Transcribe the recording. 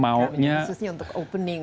maunya khususnya untuk opening